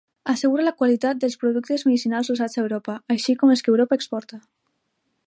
Assegura la qualitat dels productes medicinals usats a Europa, així com els que Europa exporta.